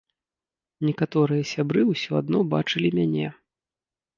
Некаторыя сябры ўсё адно бачылі мяне.